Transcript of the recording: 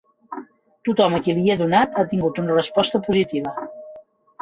Tothom a qui li he donat ha tingut una resposta positiva.